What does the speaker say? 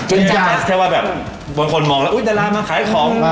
จริงจังแค่ว่าแบบบนคนมองแล้วอุ๊ยดารามาขายของ